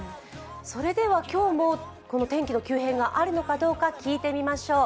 それでは今日も天気の急変があるのかどうか聞いてみましょう。